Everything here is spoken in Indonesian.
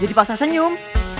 jadi paksa senyum